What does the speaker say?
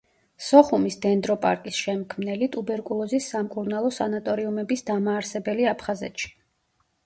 სოხუმის დენდროპარკის შემქმნელი, ტუბერკულოზის სამკურნალო სანატორიუმების დამაარსებელი აფხაზეთში.